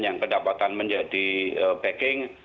yang kedapatan menjadi packing